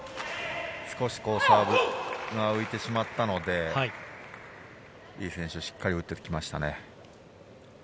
少しサーブが浮いてしまったので、リ選手、しっかり打ててきましたね。